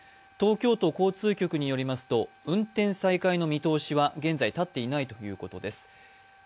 東京都交通局によりますと、運転再開の見通しは現在立っていないということです。